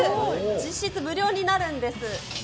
実質無料になるんです。